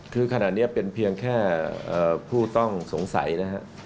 คือขณะนี้เป็นเพียงแค่ผู้ต้องสงสัยนะฮะ